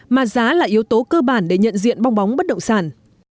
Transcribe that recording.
mà giá là yếu tố cơ bản để nhận diện bong bóng bất động sản